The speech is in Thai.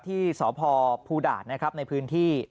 ที่สพภูดาตนะครับในพื้นที่